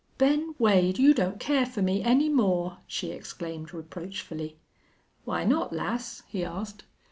"Ben Wade, you don't care for me any more!" she exclaimed, reproachfully. "Why not, lass?" he asked.